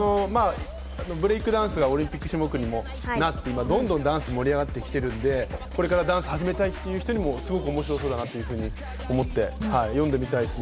ブレイクダンスがオリンピック種目にもなって、どんどんダンスが盛り上がってきているので、これからダンスを始めたいという人にもすごく面白そうだなと思って、読んでみたいですね。